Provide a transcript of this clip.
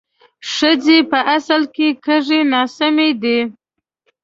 ښځې په اصل کې کږې ناسمې دي